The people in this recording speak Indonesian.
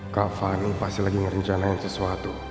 kak fani pasti lagi ngerencanain sesuatu